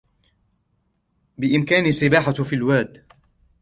بإمكاني السباحة في الواد.